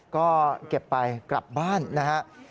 ก็เก็บไปกลับบ้านนะครับ